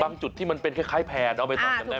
บางจุดที่มันเป็นคล้ายแผนเอาไปตอบยังไง